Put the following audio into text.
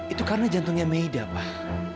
itu karena jantungnya meida pak